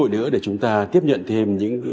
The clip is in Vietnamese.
cơ hội nữa để chúng ta tiếp nhận thêm những cái sự